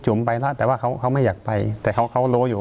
ไปนะแต่ว่าเขาเขาไม่อยากไปแต่เขาเขารู้อยู่